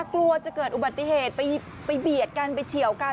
กลัวจะเกิดอุบัติเหตุไปเบียดกันไปเฉียวกัน